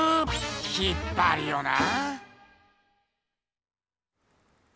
引っぱるよな。